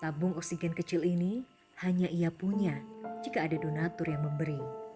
tabung oksigen kecil ini hanya ia punya jika ada donatur yang memberi